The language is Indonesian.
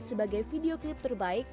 sebagai video klip terbaik